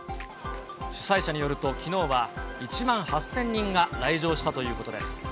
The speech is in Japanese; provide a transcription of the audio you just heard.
主催者によると、きのうは１万８０００人が来場したということです。